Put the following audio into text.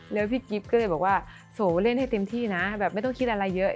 แล้วพี่กิ๊บก็เลยบอกว่าโสเล่นให้เต็มที่นะแบบไม่ต้องคิดอะไรเยอะ